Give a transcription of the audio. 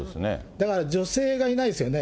だから女性がいないですよね。